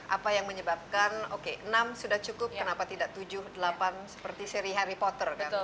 apa yang menyebabkan oke enam sudah cukup kenapa tidak tujuh delapan seperti seri harry potter kan